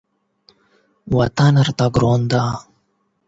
وطن راته ګران دی.